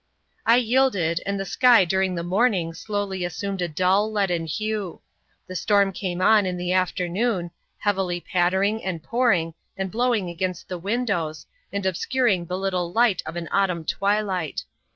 I yielded, and the sky during the morning slowly assumed a dull, leaden hue. The storm came on in the afternoon, heavily pattering, and pouring, and blowing against the windows, and obscuring the little light of an autumn twilight.